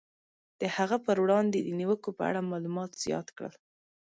د هغه پر وړاندې د نیوکو په اړه معلومات زیات کړل.